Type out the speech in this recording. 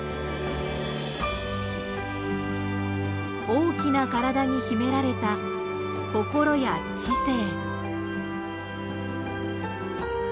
大きな体に秘められた心や知性。